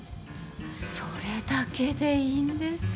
それだけでいいんです。